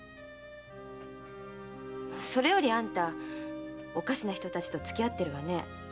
それよりあんたおかしな人たちとつきあってるわね。